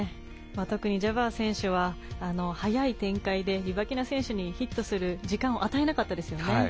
特にジャバー選手は早い展開でリバキナ選手にヒットする時間を与えなかったですよね。